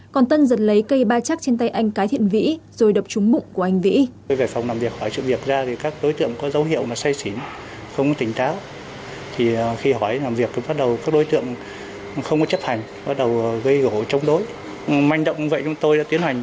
còn tân giật lấy cây ba chắc trên tay anh cái thiện vĩ rồi đập trúng mụ của anh vĩ